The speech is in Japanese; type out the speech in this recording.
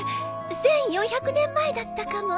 １，４００年前だったかも。